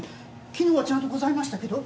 昨日はちゃんとございましたけど。